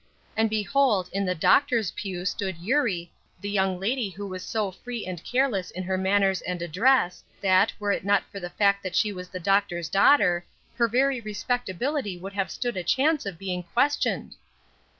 And behold, in the doctor's pew stood Eurie, the young lady who was so free and careless in her manners and address, that, were it not for the fact that she was the doctor's daughter, her very respectability would have stood a chance of being questioned!